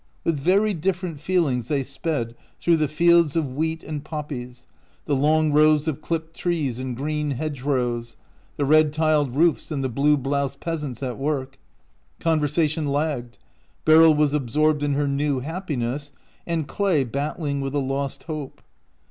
With very different feelings they sped through the fields of wheat and poppies, the long rows of clipped trees and green hedge rows, the red tiled roofs and the blue bloused peasants at work. Conversation lagged. Beryl was absorbed in her new happiness, and Clay battling with a lost hope.